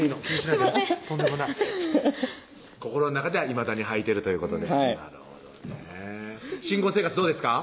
心の中ではいまだに履いてるということではいなるほどね新婚生活どうですか？